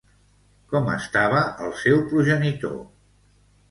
Com estava el seu progenitor?